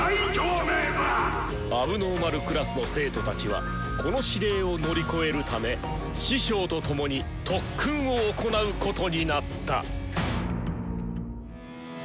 問題児クラスの生徒たちはこの指令を乗り越えるため師匠と共に特訓を行うことになった！